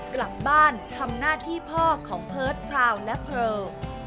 กลับบ้านทำหน้าที่พ่อของเพิร์ตพราวและเผลอ